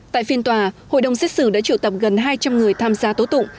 tại phiên tòa hội đồng xét xử đã triệu tập gần hai trăm linh người tham gia tố tụng